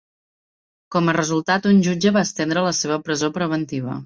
Com a resultat, un jutge va estendre la seva presó preventiva.